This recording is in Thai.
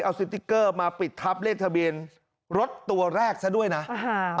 เอาสติ๊กเกอร์มาปิดทับเลขทะเบียนรถตัวแรกซะด้วยนะอ่า